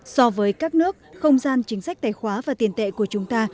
so với các nước không gian chính sách tài khoá và tiền tệ của chúng ta